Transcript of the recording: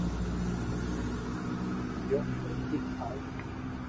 جو ا، ي روٽي کاو ھون